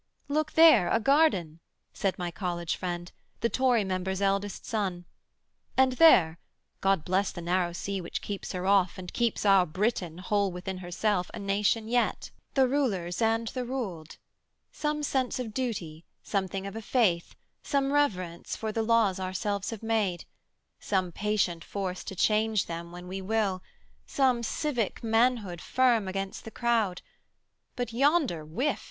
'Look there, a garden!' said my college friend, The Tory member's elder son, 'and there! God bless the narrow sea which keeps her off, And keeps our Britain, whole within herself, A nation yet, the rulers and the ruled Some sense of duty, something of a faith, Some reverence for the laws ourselves have made, Some patient force to change them when we will, Some civic manhood firm against the crowd But yonder, whiff!